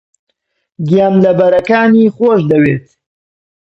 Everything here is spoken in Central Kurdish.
گیانلەبەرەکانی خۆش دەوێت.